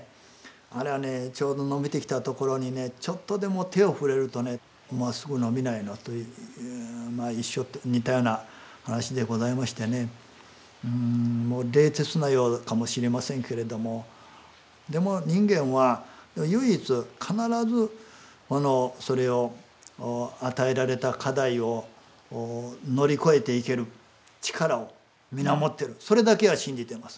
あれはちょうど伸びてきてところにちょっとでも手を触れるとねまっすぐ伸びないのと一緒似たような話でございましてもう冷徹なようかもしれませんけれどもでも人間は唯一必ずそれを与えられた課題を乗り越えていける力を皆持っているそれだけは信じています。